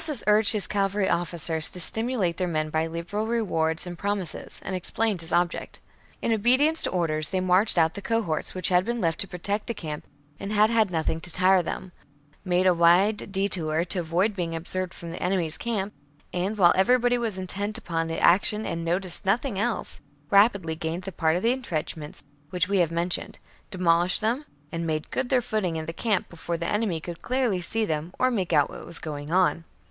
Crassus urged his cavalry officers to captures it, stimulate their men by liberal rewards and pro mises,^ and explained his object. In obedience to orders, they marched out the cohorts which had been left to protect the camp and had had nothing to tire them ; made a wide detour, to avoid being observed from the enemy's camp ; and, while everybody was intent upon the action and noticed nothing else, rapidly gained the part of the entrenchments which we have mentioned, demolished them, and made good their footing in the camp before the enemy could clearly see them or make out what was going on.